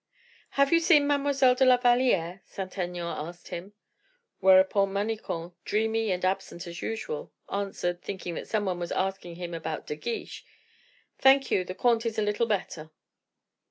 "Have you seen Mademoiselle de la Valliere?" Saint Aignan asked him. Whereupon Manicamp, dreamy and absent as usual, answered, thinking that some one was asking him about De Guiche, "Thank you, the comte is a little better."